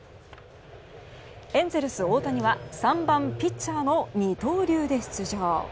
エンゼルス、大谷は３番ピッチャーの二刀流で出場。